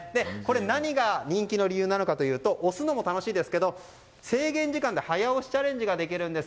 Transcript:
何が人気の理由なのかというと押すのも楽しいですけど制限時間で早押しチャレンジができるんです。